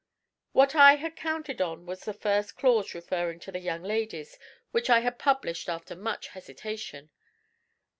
What I had counted on was the clause referring to the young ladies, which I had published after much hesitation.